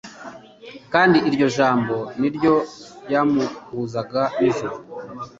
kandi iryo jambo niryo ryamuhuzaga n'ijuru